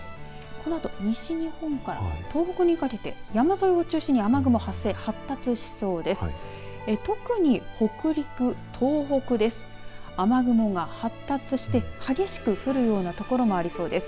このあと西日本から東北にかけて山沿いを中心に雨雲が発生、発達しそうです。